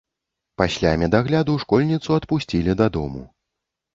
Пасля медагляду школьніцу адпусцілі дадому.